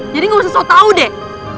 jadi gue ga usah sok tau deh